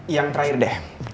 yang terakhir deh